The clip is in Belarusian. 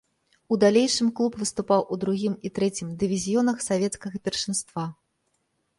У далейшым клуб выступаў у другім і трэцім дывізіёнах савецкага першынства.